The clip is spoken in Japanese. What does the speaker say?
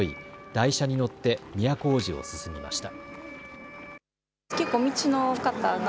台車に乗って都大路を進みました。